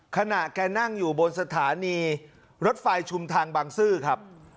ขณะแกนั่งอยู่บนสถานีรถไฟชุมทางบางซื่อครับ